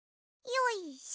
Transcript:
よいしょ！